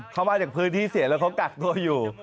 เขามาจากพื้นที่เสี่ยงแล้วเขากักตัวอยู่